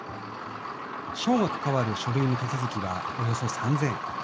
省が関わる書類の手続きはおよそ３０００。